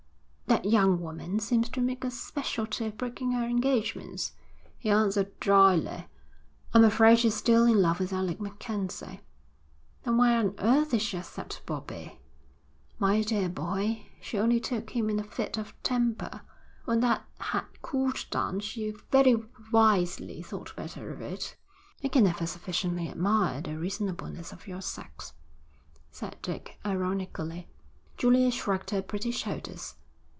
'That young woman seems to make a speciality of breaking her engagements,' he answered drily. 'I'm afraid she's still in love with Alec MacKenzie.' 'Then why on earth did she accept Bobbie?' 'My dear boy, she only took him in a fit of temper. When that had cooled down she very wisely thought better of it.' 'I can never sufficiently admire the reasonableness of your sex,' said Dick, ironically. Julia shrugged her pretty shoulders.